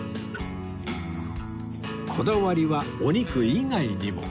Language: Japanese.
こだわりはお肉以外にも